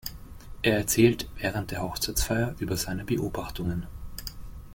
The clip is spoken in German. Er erzählt während der Hochzeitsfeier über seine Beobachtungen.